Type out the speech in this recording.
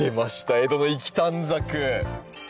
江戸の粋短冊。